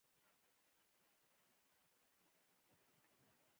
د دوی په رسټورانټ کې ډوډۍ لس ډالره ده.